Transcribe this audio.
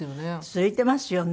続いてますよね。